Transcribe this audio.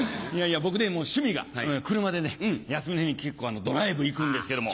僕ね趣味が車で休みの日に結構ドライブ行くんですけども。